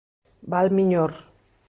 Val Miñor.